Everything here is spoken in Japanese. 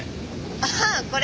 ああこれ？